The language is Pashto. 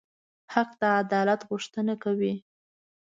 حق د عدالت غوښتنه کوي.